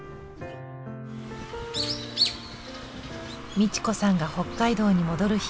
美智子さんが北海道に戻る日。